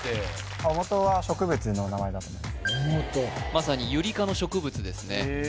まさにユリ科の植物ですね